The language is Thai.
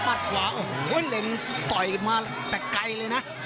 ขวาโอ้โหเล็งต่อยมาแต่ไกลเลยนะ